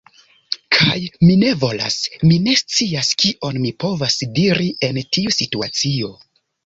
Kaj, mi ne volas... mi ne scias kion mi povas diri en tiu situacio.